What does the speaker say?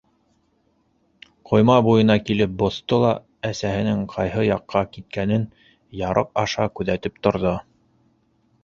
Ҡойма буйына килеп боҫто ла әсәһенең ҡайһы яҡҡа киткәнен ярыҡ аша күҙәтеп торҙо.